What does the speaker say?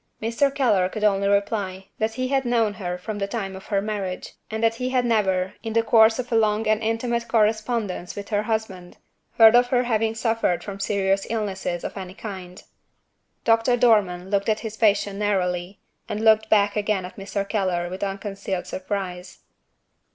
Mr. Keller could only reply that he had known her from the time of her marriage, and that he had never (in the course of a long and intimate correspondence with her husband) heard of her having suffered from serious illness of any kind. Doctor Dormann looked at his patient narrowly, and looked back again at Mr. Keller with unconcealed surprise.